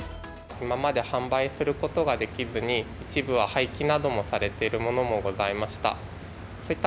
今まで販売することができずに一部は廃棄などもされているものもございました。